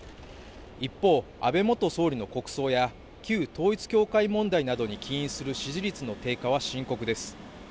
一方、安倍元総理の国葬や旧統一教会問題などに起因する支持率の低下は深刻です。